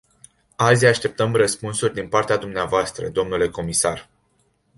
Azi așteptăm răspunsuri din partea dvs., dle comisar.